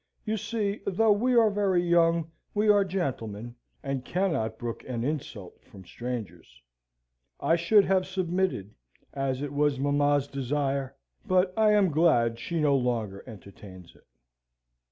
"You see, though we are very young, we are gentlemen, and cannot brook an insult from strangers. I should have submitted, as it was mamma's desire; but I am glad she no longer entertains it."